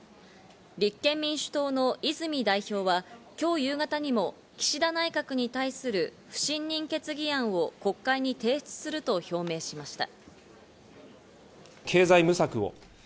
立憲民主党の泉代表は、今日夕方にも岸田内閣に対する不信任決議案を国会に提出すると表明しました。